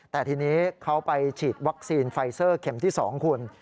แต่ทีนี้เขาไปฉีดวัคซีนไฟเซอร์เข็มที่๒คุณ